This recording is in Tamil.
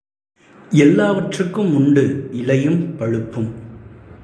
எல்லாவற்றுக்கும் உண்டு இலையும் பழுப்பும்.